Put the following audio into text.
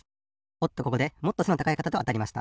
おっとここでもっと背の高いかたとあたりました。